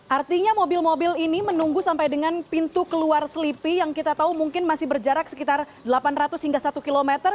artinya mobil mobil ini menunggu sampai dengan pintu keluar selipi yang kita tahu mungkin masih berjarak sekitar delapan ratus hingga satu km